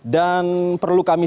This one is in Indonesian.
dan perlu kami